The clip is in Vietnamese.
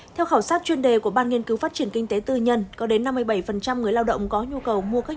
theo khảo sát chuyên đề của ban nghiên cứu phát triển kinh tế tư nhân có đến năm mươi bảy người lao động có nhu cầu mua các